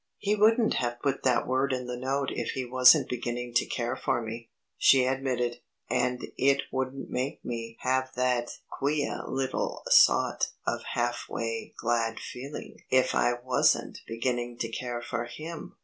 "He wouldn't have put that word in the note if he wasn't beginning to care for me," she admitted, "and it wouldn't make me have that queah little sawt of half way glad feeling if I wasn't beginning to care for him."